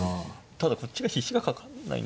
ただこっちが必至がかかんないんですね